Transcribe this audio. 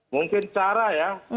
mungkin cara ya